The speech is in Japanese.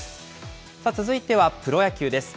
続いてはプロ野球です。